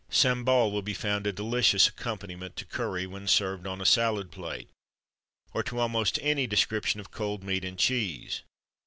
"Sambal" will be found a delicious accompaniment to curry when served on a salad plate or to almost any description of cold meat and cheese.